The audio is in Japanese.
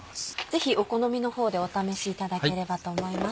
ぜひお好みの方でお試しいただければと思います。